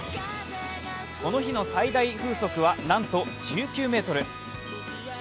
この日の最大風速はなんと１９メートル。